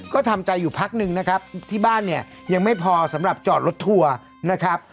ก็ทำใจอยู่พักนึงนะครับที่บ้านเนี่ยยังไม่พอสำหรับจอดรถทัวร์นะครับ